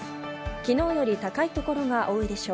昨日より高いところが多いでしょう。